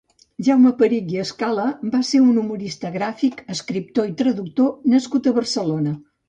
Jaume Perich i Escala va ser un humorista gràfic, escriptor i traductor nascut a Barcelona.